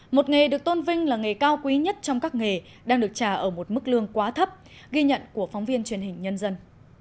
một nghề được tôn vinh là nghề cao quý nhất trong các nghề đang được trả ở một mức lương quá thấp ghi nhận của phóng viên truyền hình nhân dân